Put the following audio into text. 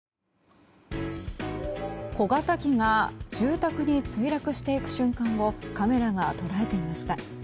小型機が住宅に墜落していく瞬間をカメラが捉えていました。